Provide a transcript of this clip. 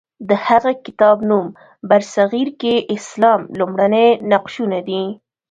د هغه کتاب نوم برصغیر کې اسلام لومړني نقشونه دی.